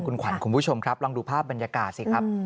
คุณขวัญคุณผู้ชมครับลองดูภาพบรรยากาศสิครับ